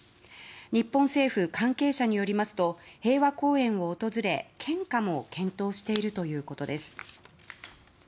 日本政府関係者によりますと平和公園を訪れ、献花も検討しているということです。